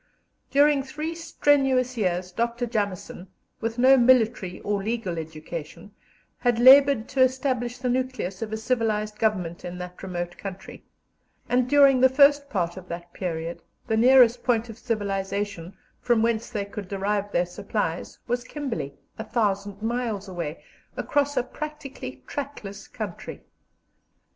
During three strenuous years Dr. Jameson, with no military or legal education, had laboured to establish the nucleus of a civilized government in that remote country; and during the first part of that period the nearest point of civilization, from whence they could derive their supplies, was Kimberley, a thousand miles away, across a practically trackless country.